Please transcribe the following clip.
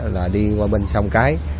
là đi qua bên sông cái